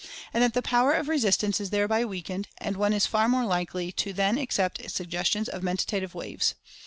and that the power of resistance is thereby weakened, and one is far more likely to then accept suggestions of mentative waves.